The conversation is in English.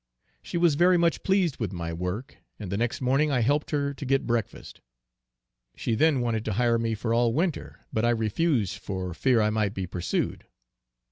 She was very much pleased with my work, and the next morning I helped her to get breakfast. She then wanted to hire me for all winter, but I refused for fear I might be pursued.